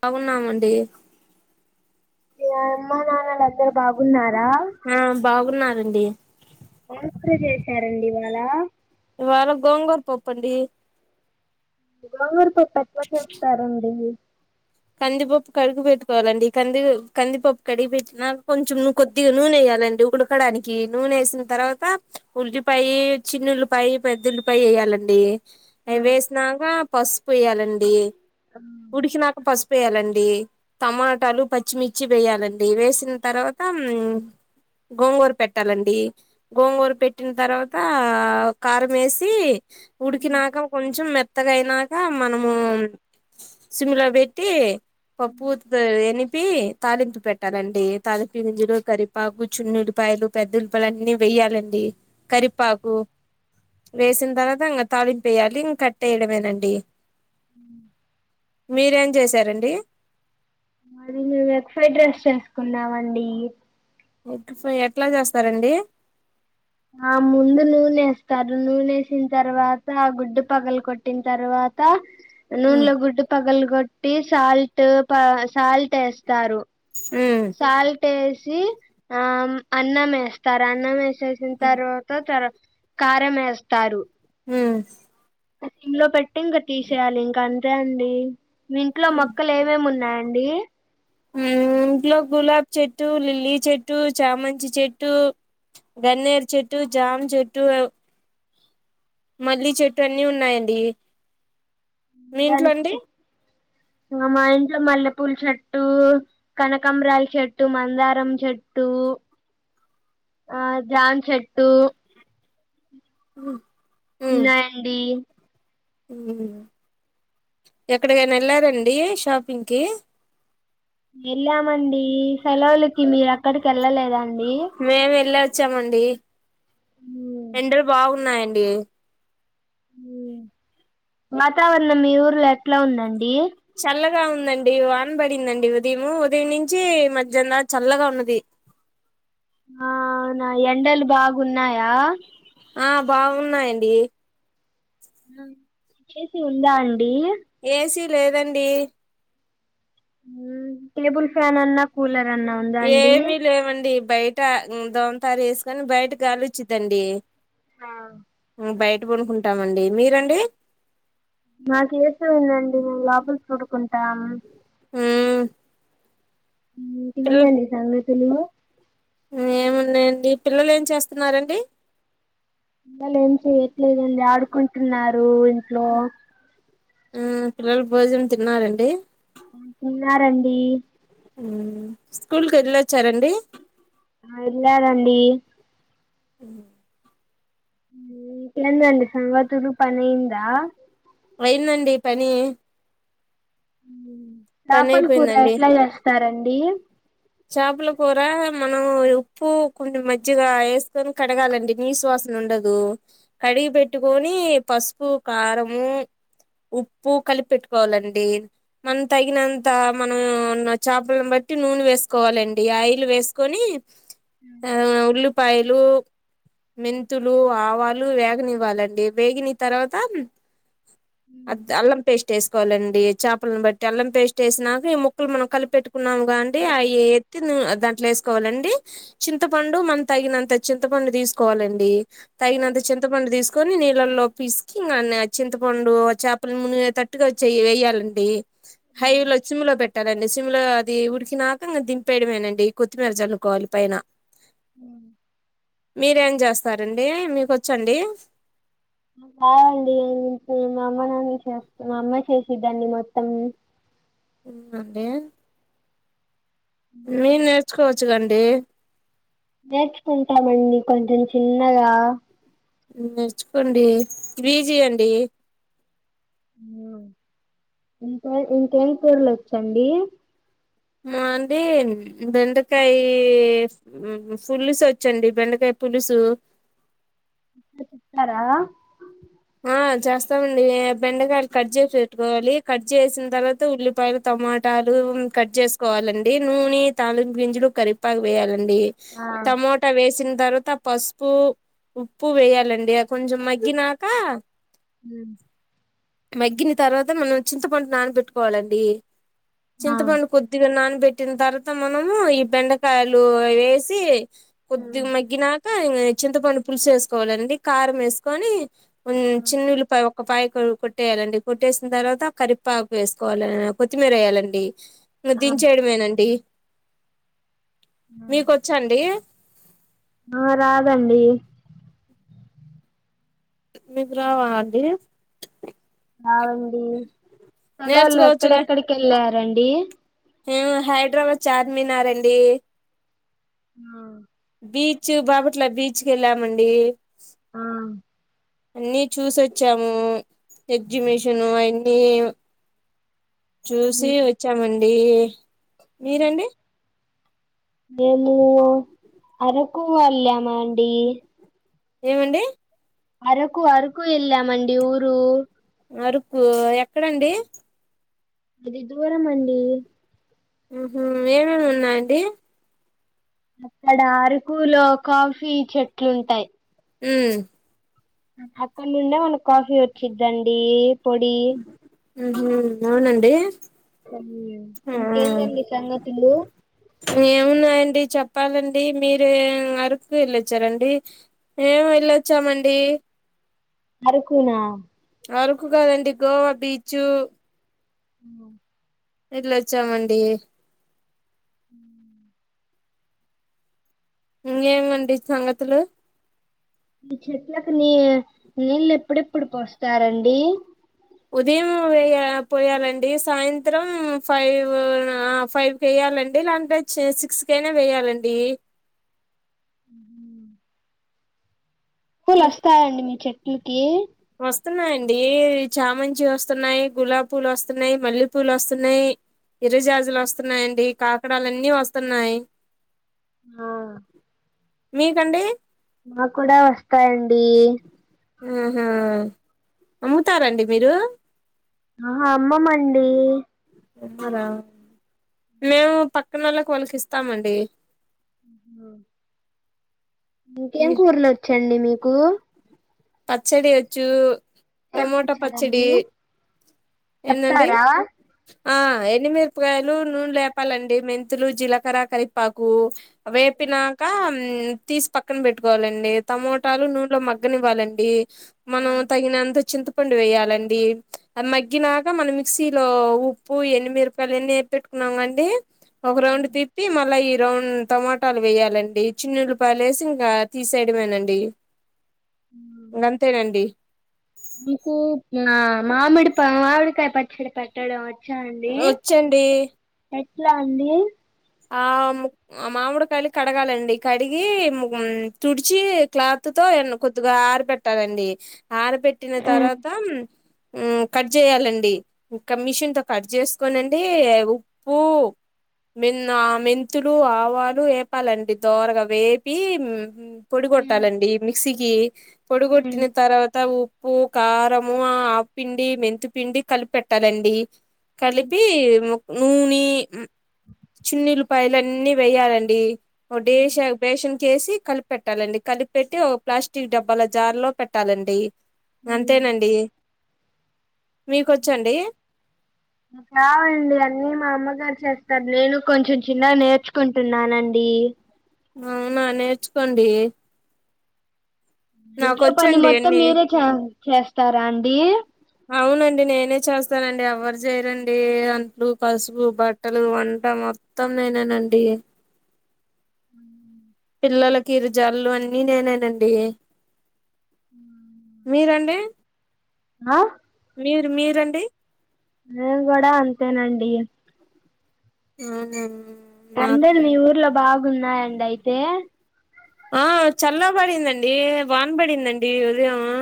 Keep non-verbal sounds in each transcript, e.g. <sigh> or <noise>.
బాగున్నామండి మీ అమ్మా నాన్నలందరు బాగున్నారా ఆ బాగున్నారండి ఏం కూర చేశారండీ ఇవాళ ఇవాళ గోంగూర పప్పు అండి గోంగూర పప్పు ఎట్లా చేస్తారండి మీ కందిపప్పు కడుగు పెట్టుకోవాలండి కంది కందిపప్పు కడిగి పెట్టినా కొంచె నువ్వు కొద్దిగా నూయ్యాలండి ఉడకడానికి నూన వేసిన తర్వాత ఉల్లిపాయి చిన్నల్లిపాయి పెద్ద ఉల్లిపాయ వేయాలండి అవి వేసినాక పసుపు వేయాలండి ఉడికినాక పసుపేయాలండి టమాటాలు పచ్చిమిర్చి వేయాలండి వేసిన తర్వాత గోంగూర పెట్టాలండి గోంగూర పెట్టిన తర్వాత కారం వేసి ఉడికినాక కొంచం మెత్తగా అయినాక మనము సింలో పెట్టి టీ పప్పు గుత్తితో ప్పి తాలింపు పెట్టాలండి తాలింపి గింజలు కరిపాకు చున్ను ఉలిపాయలు పెద్ద ఉలిపపాయ అన్నీ వ తీయ్యాలండి కరిపాకు వేసిన తర్వాత ఇంకా తాళింపు వేయాలి ఇంకా కట్టేయడమేనండి అ నిశ్శబ్దంగా ఉంది మీరేం చేసారండి మరి నువు ఎగ్ ఫ్రైడ్ రైస్ చేసుకున్నావండి ఎగ్ ఫ్రై ఎట్లా చేస్తారండి ఆ ముందు నూనేస్తారు నూనేసిన తర్వాత ఆ గుడ్డు పగలు కొట్టిన తర్వా త్త మ్మ్ నూనెలో గుడ్డు పగలు కొట్టి సాల్ట్ ప సాల్ట్ ఏస్తారు సాల్ట్ వేసి ఆ అన్నం ఏస్ తర అన్నం వేసేసిన తర్వాత తర కారం ఏస్తారు మ్ సిమ్ లో పెట్టి ఇంకా తీసేయాలి ఇంకా అంతే అండి మీ ఇంట్లో మొక్కలు ఏమేమి ఉన్నాయండి మ్ ఇంట్లో గులాబ్ చెట్టు లిల్లీ చెట్టు చామంచి చెట్టు గన్నేర్ చెెట్టు జామ్ చెట్టు మల్లి చెట్టు అన్నీ ఉన్నాయండి మీ ఇంట్లో అండి <inaudible> మ మా ఇంట్లో మల్లెపూల చెట్టు కనకంబరాల చెట్టు మందారం చెట్టు <inaudible> ఆ జామ్ చెట్టు ఉ ఉన్నాయండి మ్ ఎక్కడికైనా ఎళ్ళరండి షాపింగ్కి వెళ్ళామండి సెలవులకి మీరు అక్కడికి వెళ్ళలేదండి మేము వెళ్ళొచ్చామండి ఎండలు బాగున్నాయండి వాతావరణం మీ ఊర్లో ఎట్లా ఉందం చల్లగా ఉందం డి వానబడిందండి ఉదయం ఉదయం నుంచి మధ్యహ్న చల్లగా ఉన్నది ఆవునా ఎండలు బాగున్నాయా ఆ బాగున్నాయండి అ ఏ సి ఉందా అన్ ఏసీ లేదండి మ్ టేబుల్ ఫ్యాన్ అన్నా కూలర్ అన్నా ఉందా అండి ఏమి లేవండి బయ ట దోమతారు ఏసుకొని బయట గాలి వచ్చిదండి ఆ బయట పడుకుంటామండి మీరండి మాకు ఏ సి ఉందండి మేం లోపలా పడుకుంటాం మ్ ఇంకేందండి సంగతులు నండి పిల్లలు ఏం చేస్తున్నారండి పిల్లలు ఏం చెయట్లేదండి ఆడుకుంటున్నారు ఇంట్లో ఉ పిల్లలు భోజనం తిన్నారండి మ్ తిన్నారండి మ్ స్కూల్కి వెళ్ళొచ్చారండి ఆ ఎల్లారండీ మ్ మ్ ఇంకేందండి సంగతులు పనైందా అయిందండి పని పని చాపల కూర అయిపోయిందండి ఎట్లా చేస్తారండి చేపల కూర మనం ఉప్పు కొన్ని మజ్జిగా వేసుకొని కడగాలండి నీసు వాసన్ ఉండదు కడిగి పెట్టుకొని పసుపు కారము ఉప్పు కలిపి పెట్టుకోవాలండి మనం తగినంత మనం ఉన్న చేపలను బట్ ట్టి నూనేస్ కోవాలండి ఆయిల్ వేసుకొని ఆ ఉల్లిపాయలు మెంతులు ఆవాలు వేగనివ్వాలండి వేగిన తర్వాత అళ్ళం పేస్ట్ వేసుకోవాలండి చేపలను బట్టి అల్లం పేస్ట్ వేసాక ఈ ముక్కలు మనం కలిపెట్ కున్నాముగా అండి అ ఎత్తి నువ్ దాంట్లో వేసుకోవాలండి చింతపండు మన తగినంత చింతపండు తీసుకోవాలండి తగినంత చింతపండు తీసుకొని నీళ్ళల్లో పిసికి ఇంగ న్ చింతపండు చేపలు మునిగే తట్టుగా వేయ్యాలండి హైవే లో సిమ్ లో పెట్టాలండి సిమ్ లో అది ఉడికినా క్కంగా దింపేయడమేనండి కొత్తిమీర చల్లుకోవాలి పైన అహ మీరేం చేస్తారండి మీకొచ్చండి చేస్తా మా అమ్మె చేసిద్దండి మొత్తం అవునా అండి మీరు నేర్చుకోవచ్చు కండి నేర్చుకుంటామండి కొంచెం చిన్నగా నేర్చుకోండి విజి అండి ఇంకా ఇంకేం కుర్లు వచ్చండి మా అండి బెండకాయ ఫుల్లుస్ వచ్చండి బెండకాయ పులుసు ారా ఆ చేస్తామండి బెండకాయలు కట్ చేసి పెట్టుకోవాలి కట్ చేసిన తర్వాత ఉల్లిపాయలు టమాటాలు కట్ చేసుకోవాలండి నూనె తలింపు గింజులు కరిపాకు వేయాలండి ఆ టమోట వేసిన్ తర్వాత పసుపు ఉప్పు వేయాలండి అ కొంచెం మగ్గినాక మ్ మగ్గిని తర్వాత మనం చింతపడు నానబెట్టుకోవాలండి ఆ ఆ చింతపండు కొద్దిగా నానబెట్టిన తర్వాత మనము ఈ బెండకాయలు వేసి కొద్దిగా మగ్గినాక చింతపండు పులుసు వేసుకోవాలండి కారం వేసుకొని కొం ఆ చిన్నల్లిపాయ ఒ ఒకపాయ కొట్టేయాలండి కొట్టేసిన తర్వాత కరిపాకు వేసుకోవాల కొత్తిమీర వేయాలండి నువ్వు ఆ దించేయడమేనండి మీకొచ్చ అండి ఆ రాదండి మీకు రావ అండి అవండి సలవుళ్ళో నేర్చుకోవచ్చుగా ఎక్కడెక్కడికి వెళ్ళారండి మీము హైదరాబాద్ చార్మినారండి ఆ బీచ్ బీచ్ బాపట్లా బీచ్ కేళ్ళామండి ఆ అన్నిీ చూసొచ్చాము ఎగ్జిబిషన్ అన్నీ చూసి వచ్చామండి మీరండి మేము అరకు వెళ్ళామండి ఏమండి అరకు అరకు వెళ్ళమండి ఊరు అరకు ఎక్కడండి అది దూరం అండి అహ ఏమేం ఉన్నాయండి అక్కడ అరకులో కాఫీ చెట్లు ఉంటాయ్ ఉ అక్కడ నుండే మనకి కాఫీ వచ్చిద్దండి పొడి ఉహు అవునండి ఆ ఇంకేందండి సంగతులు ఎమ్మునాయండి చెప్పాలండి మీరే అరకుకు వెళ్ళొచ్చారండి మేం వెళ్ళొచ్చామండి అరకునా అరకు కాదండి గోవా బీచు ఉ వెళ్ళొచ్చామండి ఉ ఇంగేంమండి సంగతులు ఈ చెట్లకు నీ నీళ్ళు ఎప్పుడెప్పుడు పోస్తారండి ఉదయం వే పోయాలండి సాయంత్రం ఫైవ్ ఆ ఫైవ్ కే కావాలంటే ఇలాం సిక్స్ కయినా వేయాలండి ఉ పూలు వస్తాయండి మీ చెట్లకి వస్తున్నాయండి చామంచి వస్తున్నాయ్ గులాబి పూలు వస్తున్నాయ్ మల్లె పూలు వస్తున్నాయ్ ఇరుజాజులు వస్తున్నాయండి కాకడాలన్నీ వస్తున్నాయ్ ఆ మీకండి మాకు కూడా వస్తాయండి ఆహ అమ్ముతారండి మీరు అహ అమ్మమండి అమ్మారా మేము పక్కన వాళ్ళకి వాళ్ళకి ఇస్తామండి అహ ఇంకేం కుర్లోచ్చండి మీకు పచ్చడి వచ్చు ఏం టమోటో పచ్చడి పచ్చడండి ఎంటండి చెప్తారా ఆ ఎన్ని మీర్ ఉకాయలు నూనెలు లేేపాలండి మెంతులు జీలకర కరిపాకు వేపినాక తీసి పక్కన పెట్టుకోవాలండి టమోటాలు నూనెలో మగ్గనివ్వాలండి మనం తగినంత చింతపండు వేయాలండి మ గ్గినాక మనం మిక్సీలో ఉప్పు ఎన్నిమిరపకాయలు ఎన్ని ఎపి పెట్టుకున్నాం అండి ఒక రౌండ్ తిప్పి మళ్ళా గ్రౌన్ టమాటాలు వేయాలండి చిన్న ఉల్లిపాయలు వేసి ఇంకా తీసేయడమేనండి ఇంగంతేనండి మీకు మామిడి ప మామిడికాయ పచ్చడి పెట్టడం వచ్చా అండి వచ్చండి ఎట్లా అండి ఆ మామిడికాయలు కడగాలండి కడిగి తుడిచి క్లాత్ త్తుతో ఎన్ కొద్దిగా ఆర పెట్టాలండి ఆర పెట్టిన తర్వాత ఉం కట్ చేయాలండి ఇంకా మిషన్తో కట్ చేసుకోనండి ఉప్పు మిన్న మెంతులు ఆవాలు వేపాలండి దోరగా వేపి పొడి గొట్టాలండి మిక్సీకి పొడి గొట్టిన తర్వాత ఉప్పు కారము ఆ ఆపిిండి మెంతి పిండి కలిపి పెట్టాలండి కలిపి నూని చున్నీలపాయలన్ని వేయాలండి ఒ డేష పేషన్కేసి కలిపెట్టాలండి కలిపిపెట్టి ఓ ప్లాస్టిక్ డబ్బాల జార్ లో పెట్టాలండి అంతేనండి మీకొచ్చండి నాక్ రావండి అన్నీ మా అమ్మగార్ చేస్తార్ నేను కొంచెం చిన్నగ నేర్చుకుంటున్నానండి అవునా నేర్చుకోండి ఇంట్లో పని నాకొచ్చండి మొత్తం అన్ని మీరే చ చెస్తారాండి అవునండి నేనే చేస్తానండి ఎవర్ చేయరండి అంట్లు కసుపు బట్టలు వ ంట మొత్తం నేనెనండి ఉ పిల్లలకి ఇరుజళ్లు అన్నీ నేనేనండి మీరండి అ మీర్ మీరండి నేను గుడా అంతేనండి అవునా నాకు అండలు మీ ఊర్లో బాగున్నాయండి అయితే ఆ చల్ల పడిందండి వాన పడిందండి ఉదయము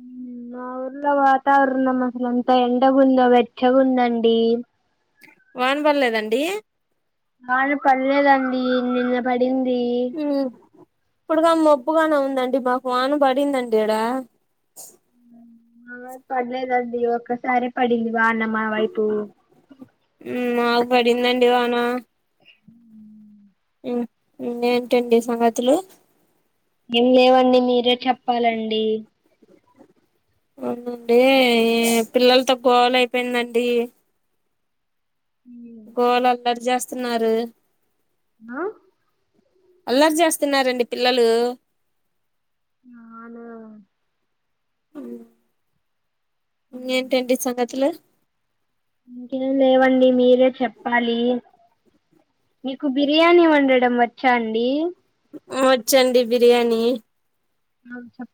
మ్ అ మా ఊర్లో వాతావర్ణం అసలు ఎంత ఎండగుందో వెచ్చగుందండి వాన పల్లేదండి వాన పల్లేదండి నిన్న పడింది ఇప్పుడుగ మబ్బుగానే ఉందండి మాకు వాన పడిందండి ఇడా మావైప్ పడలేదండి ఒక్కసారే పడింది వాన మా వైపు హ్మ్ మాక్ పడిందడి వాన హ్మ్ ఇంగెంటండి సంగతులు ఏం లేవండి మీరే చెప్పాలండి అవునండి ఏ పిల్లలతో గోల అయిపోయిందండి గోళ అల్లరి చేస్తన్నారు అ అల్లరి చేస్తున్నారండి పిల్లలు నాలుగొ ఇంగెంటండి సంగతులు ఇంకేం లేవండి మీరే చెప్పాలి మీకు బిర్యానీ వండడం వచ్చా అండి వచ్చండి బిర్యానీ అ చెప్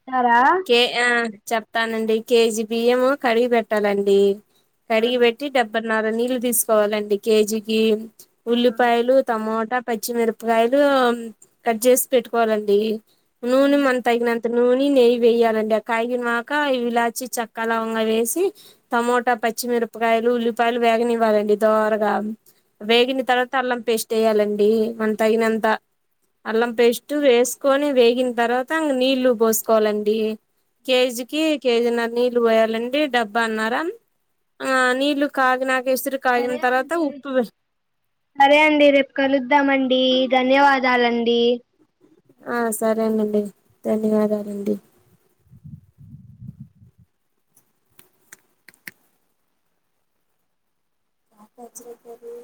కే ఆ చెప్తానండి కేజీ బియ్యము కడిగి పెట్టాలండి కడిగి పెట్టి డబ్బన్నర నీళ్ళు తీసుకోవాలండి కేజీకి ఉల్లిపాయలు తమోటా పచ్చిమిరపకాయలు కట్ చేసి పెట్టుకోవాలండి నూనె మంతగినంత నూనె నెయి వేయాలండి ఆ కాగినక ఇలాచి చక్క లవంగా వేసి టమోటా పచ్చిమిరపకాయ లు ఉల్లిపాయలు వేగనివ్వాలండి దోరగా వేగిన తర్వాత అల్లం పేస్ట్ వేయాలండి మంతగినంత అల్లం పేస్ట్ వేసుకొని వేగిన తర్వాత ఇంగ నీళ్లు పోసుకోవాలండి కేజికి కేజీ నర్ నీళ్లు పోయాలండి డబ్బాన్నర ఆ నీళ్లు కాగినా కాగిన తర్వాత ఉప్పు వేస్ సరే అండి రేపు కలుద్దామండి ధన్యవాదాలండి ఆ సరేనండి ధన్యవాదాలండి నాకచ్చిరంటండి